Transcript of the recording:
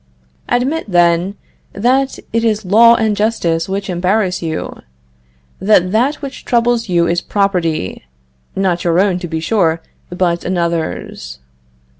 Admit, then, that it is law and justice which embarrass you; that that which troubles you is property not your own, to be sure, but another's.